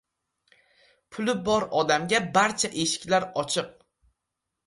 • Puli bor odamga barcha eshiklar ochiq.